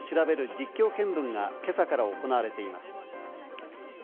実況見分が、今朝から行われています。